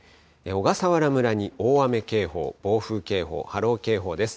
小笠原村に大雨警報、暴風警報、波浪警報です。